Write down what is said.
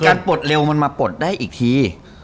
ปลดเร็วมันมาปลดได้อีกที